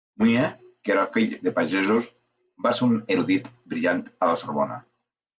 Mounier, que era fill de pagesos, va ser un erudit brillant a la Sorbona.